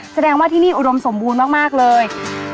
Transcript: แสดงว่าที่นี่อุดมสมบูรณ์มากเลย